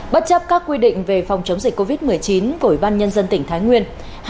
bất chấp các quy định về phòng chống dịch covid một mươi chín của ủy ban nhân dân tỉnh thái nguyên